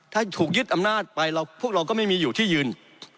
ถ้าถูกยึดอำนาจไปพวกเราก็ไม่มีอยู่ที่ยืน